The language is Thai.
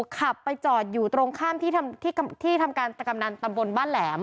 ขับไปจอดอยู่ตรงข้ามที่ทำการตะกำนันตำบลบ้านแหลม